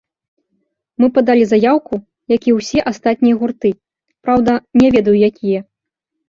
Мы падалі заяўку, які і ўсе астатнія гурты, праўда, не ведаю, якія.